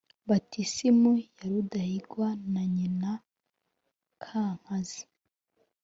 batisimu ya Rudahigwa na Nyina Kankazi ( bibiri),